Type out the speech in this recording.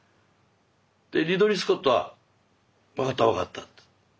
でリドリー・スコットは分かった分かったと。